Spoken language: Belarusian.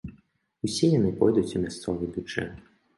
Усе яны пойдуць у мясцовы бюджэт.